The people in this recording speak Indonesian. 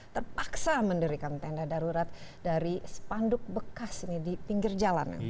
terpaksa mendirikan tenda darurat dari sepanduk bekas ini di pinggir jalan